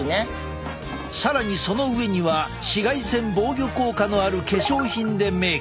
更にその上には紫外線防御効果のある化粧品でメーク。